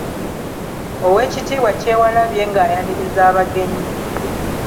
Oweekitiibwa Kyewalabye ng'ayaniriza abagenyi.